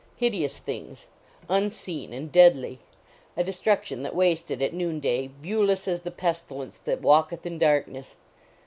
Hideous things; unseen and deadly; a destruction that wasted at noon day, viewless as the pestilence that walketh in darkness.